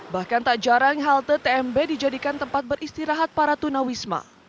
bahkan tak jarang halte tmb dijadikan tempat beristirahat para tunawisma